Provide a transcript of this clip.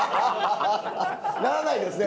ならないですね！